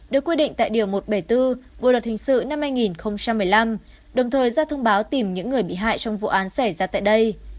được quy định tại điều một trăm bảy mươi bốn bộ luật hình sự năm hai nghìn một mươi năm đồng thời ra thông báo tìm những người bị hại trong vụ án xảy ra tại đây